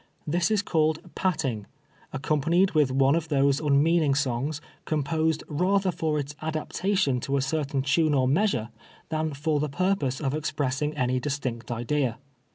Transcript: This is called " patting," accompanied with one of those unmeaning songs, composed rather for its adaptation to a certain tune or measure, than for the pur^jose of expressing any distinct idea.